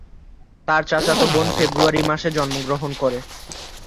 তার চাচাতো বোন ফেব্রুয়ারি মাসে জন্মগ্রহণ করে।